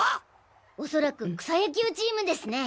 おそらく草野球チームですね。